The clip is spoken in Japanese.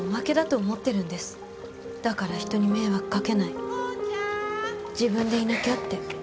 だから人に迷惑かけない自分でいなきゃって。